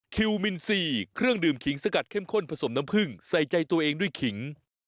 คิวมินซีเครื่องดื่มขิงสกัดเข้มข้นผสมน้ำผึ้งใส่ใจตัวเองด้วยขิง